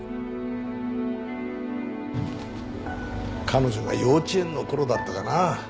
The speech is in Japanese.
彼女が幼稚園のころだったかな。